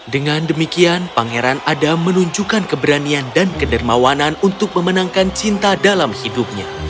dengan demikian pangeran adam menunjukkan keberanian dan kedermawanan untuk memenangkan cinta dalam hidupnya